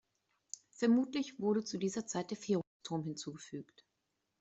Vermutlich wurde zu dieser Zeit der Vierungsturm hinzugefügt.